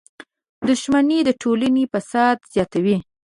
• دښمني د ټولنې فساد زیاتوي.